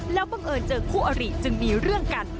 แล้วบังเอิญเจอคู่อริจึงมีเรื่องกัน